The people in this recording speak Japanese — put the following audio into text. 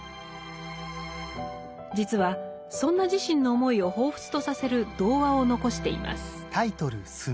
実はそんな自身の思いを彷彿とさせる童話を残しています。